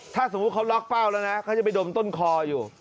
ถ้าสมมุติเขาล็อกเฝ้าแล้วนะเขาจะไปดมต้นคออยู่